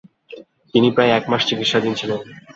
তিনি প্রায় একমাস চিকিৎসাধীন ছিলেন।